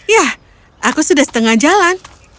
ya aku sudah setengah jalan